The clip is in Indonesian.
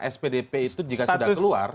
spdp itu jika sudah keluar